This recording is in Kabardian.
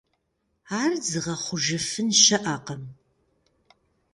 Ар зыгъэхъужыфын щыӀэкъым.